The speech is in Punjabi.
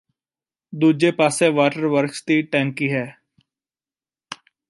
ਦੂਜੇ ਪਾਸੇ ਵਾਟਰ ਵਰਕਸ ਦੀ ਟੈਂਕੀ ਹੈ